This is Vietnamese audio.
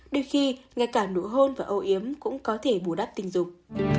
đôi khi ngay cả nụ hôn và âu yếm cũng có thể bù đắp tình dục